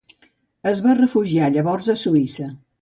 Es va refugiar llavors a Suïssa.